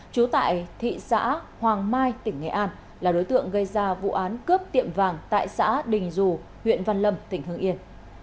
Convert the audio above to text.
trú tại thị xã hoàng mai tỉnh nghệ an là đối tượng gây ra vụ án cướp tiệm vàng tại xã đình dù huyện văn lâm tỉnh hương yên